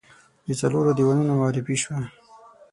د څلورو دیوانونو معرفي شوه.